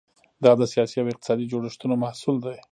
دا د سیاسي او اقتصادي جوړښتونو محصول دی.